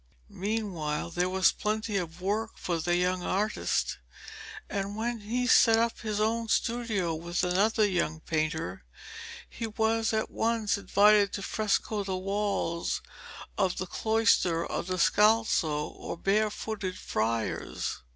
Meanwhile there was plenty of work for the young artist, and when he set up his own studio with another young painter, he was at once invited to fresco the walls of the cloister of the Scalzo, or bare footed friars.